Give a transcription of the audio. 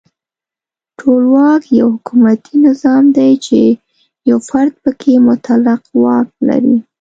ټولواک یو حکومتي نظام دی چې یو فرد پکې مطلق واک لري.